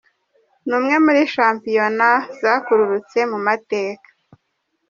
Ni imwe muri Shampiona zakururutse mu mateka.